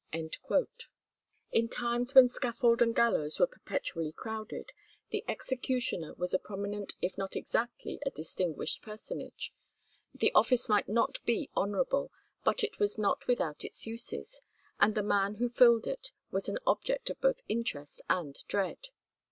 In times when scaffold and gallows were perpetually crowded, the executioner was a prominent if not exactly a distinguished personage. The office might not be honourable, but it was not without its uses, and the man who filled it was an object of both interest and dread.